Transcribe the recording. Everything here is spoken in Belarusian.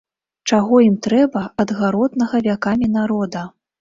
Чаго ім трэба ад гаротнага вякамі народа?